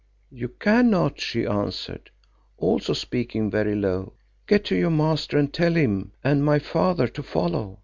'You cannot,' she answered, also speaking very low. 'Get to your master and tell him and my father to follow.